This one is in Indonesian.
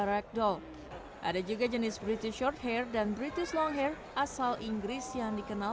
ragdoll ada juga jenis british shorthair dan british long hair asal inggris yang dikenal